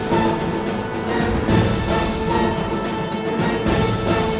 ทีมที่ชนะคือทีม